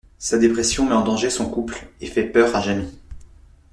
Sa dépression met en danger son couple et fait peur à Jamie.